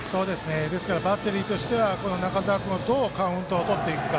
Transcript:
ですからバッテリーとしては、中澤君をどうカウントをとっていくか。